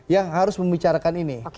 yang harus membicarakan ini